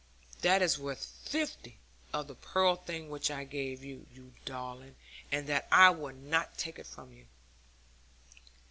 'That is worth fifty of the pearl thing which I gave you, you darling; and that I will not take it from you.'